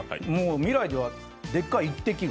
未来ではでかい１滴が。